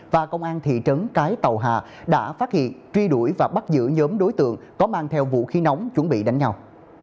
và công an thị trấn cái tàu hà đã phát hiện truy đuổi và bắt giữ nhóm đối tượng có mang theo vũ khí nóng chuẩn bị đánh nhau